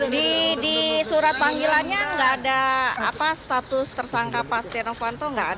di surat panggilannya tidak ada status tersangka satyano fanto